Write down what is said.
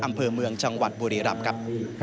อำเภอเมืองจังหวัดบุรีรำครับ